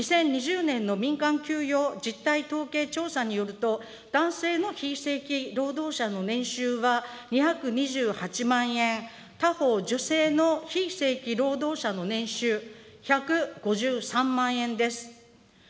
２０２０年の民間給与実態統計調査によると、男性の非正規労働者の年収は２２８万円、他方、女性の非正規労働者の年収、１５３万円です。